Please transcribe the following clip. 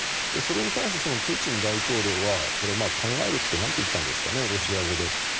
それに対してプーチン大統領は考えるってなんて言ったんですかねロシア語で。